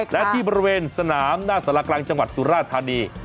และที่บริเวณสนามหน้าสารกลางจังหวัดสุราธานี